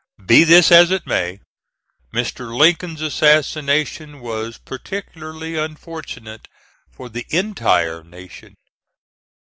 Be this as it may, Mr. Lincoln's assassination was particularly unfortunate for the entire nation.